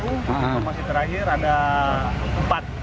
informasi terakhir ada empat